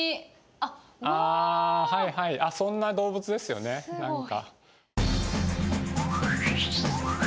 あっそんな動物ですよね何か。